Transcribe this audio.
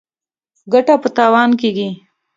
ـ ګټه په تاوان کېږي.